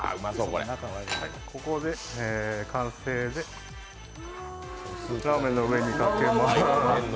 ここで完成でラーメンの上にかけます。